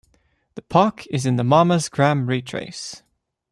The park is in the Mamma's Gram-Retrace.